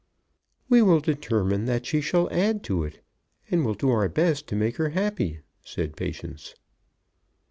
"We will determine that she shall add to it, and will do our best to make her happy," said Patience.